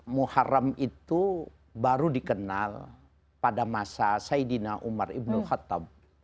muharam itu baru dikenal pada masa saidina umar ibn khattab